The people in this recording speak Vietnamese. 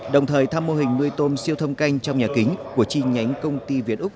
đồng thời thăm mô hình nuôi tôm siêu thâm canh trong nhà kính của chi nhánh công ty việt úc